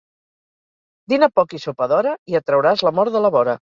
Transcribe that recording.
Dina poc i sopa d'hora i et trauràs la mort de la vora.